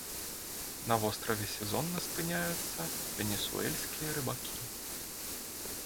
На востраве сезонна спыняюцца венесуэльскія рыбакі.